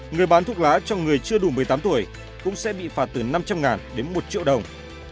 người bán thuốc lá cho người chưa đủ một mươi tám tuổi cũng sẽ bị phạt từ năm trăm linh đến một triệu đồng